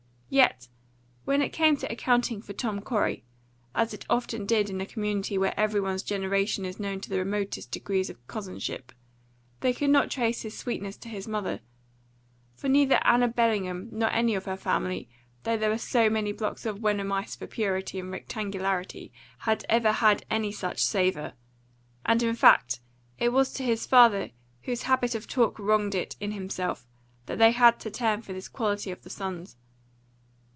Yet, when it came to accounting for Tom Corey, as it often did in a community where every one's generation is known to the remotest degrees of cousinship, they could not trace his sweetness to his mother, for neither Anna Bellingham nor any of her family, though they were so many blocks of Wenham ice for purity and rectangularity, had ever had any such savour; and, in fact, it was to his father, whose habit of talk wronged it in himself, that they had to turn for this quality of the son's.